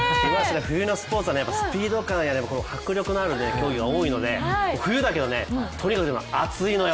冬のスポーツはスピード感や迫力のある競技が多いので冬だけど、とにかく熱いのよ！